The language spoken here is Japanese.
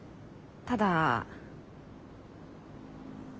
ただ。